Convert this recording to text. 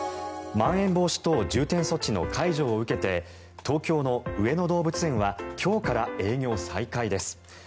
まん延防止等重点措置の解除を受けて東京の上野動物園は今日から営業再開です。